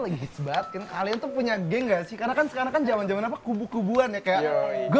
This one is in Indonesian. lagi sebatin kalian tuh punya genggas ikan akan sekarang zaman zaman aku bukubuannya kayak gue